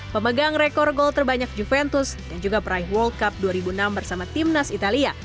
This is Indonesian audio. pemegang rekor gol terbanyak juventus dan juga peraih world cup dua ribu enam bersama timnas italia